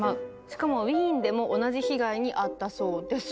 しかもウィーンでも同じ被害に遭ったそうです。